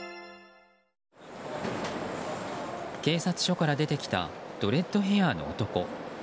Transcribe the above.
警察署から出てきたドレッドヘアの男。